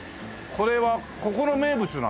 これはここの名物なの？